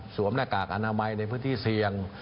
หน้ากากอนามัยในพื้นที่เสี่ยง